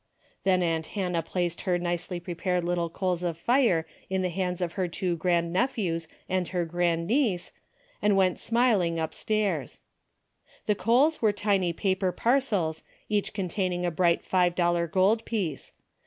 Then aunt Hannah placed her nicely prepared little coals of fire in the hands of her two grand nephews and her grand niece, and went smil A DAILY BATE. 121 ing upstairs. The coals were tiny paper par cels each containing a bright five dollar gold piece.